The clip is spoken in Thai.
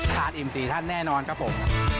อิ่ม๔ท่านแน่นอนครับผม